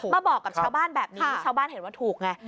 มาบอกกับชาวบ้านแบบนี้ชาวบ้านเห็นว่าถูกไง